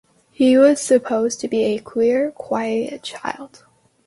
He was supposed to be a queer, quiet child.